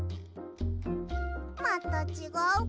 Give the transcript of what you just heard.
またちがうか。